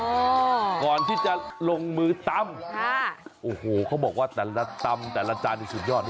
ก่อนที่จะลงมือตำค่ะโอ้โหเขาบอกว่าแต่ละตำแต่ละจานนี่สุดยอดนะ